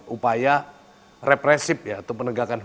itu yang upaya represif ya atau penegakan